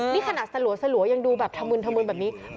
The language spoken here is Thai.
นี่ขนาดสลัวยังดูแบบถมึนธมึนแบบนี้